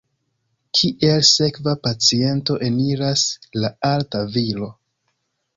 Kiel sekva paciento eniras la alta viro.